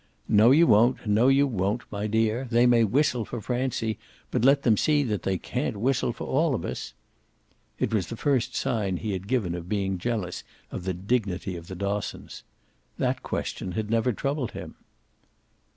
"No you won't no you won't, my dear. They may whistle for Francie, but let them see that they can't whistle for all of us." It was the first sign he had given of being jealous of the dignity of the Dossons. That question had never troubled him.